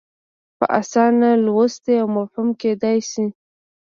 په اسانه لوستی او فهم کېدای شي.